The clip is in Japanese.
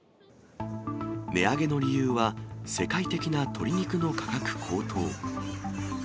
値上げの理由は、世界的な鶏肉の価格高騰。